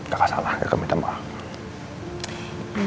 kakak salah kakak minta maaf